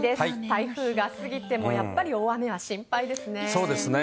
台風が過ぎても、やっぱり大雨が心配ですね。